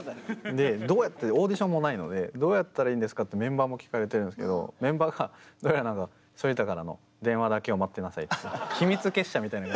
でどうやってオーディションもないのでどうやったらいいんですか？ってメンバーも聞かれてるんですけどメンバーがどうやらなんか秘密結社みたいな。